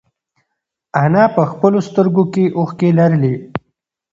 انا په خپلو سترگو کې اوښکې لرلې.